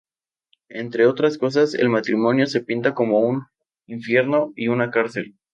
Entre otras cosas, el matrimonio se pinta como un infierno y una cárcel.